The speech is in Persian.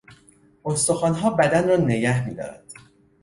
استخوانها بدن را نگه میدارند.